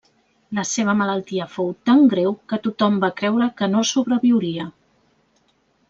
La seva malaltia fou tan greu que tothom va creure que no sobreviuria.